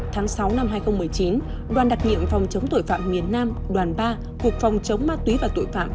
tháng sáu năm hai nghìn một mươi chín đoàn đặc nhiệm phòng chống tội phạm miền nam đoàn ba cục phòng chống ma túy và tội phạm